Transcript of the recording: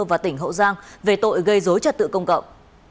và tỉnh hậu giang về tội gây dối trật tự công cộng